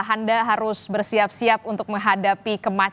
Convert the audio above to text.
anda harus bersiap siap untuk menghadapi